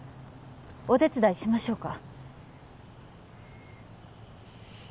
お手伝いしましょうか？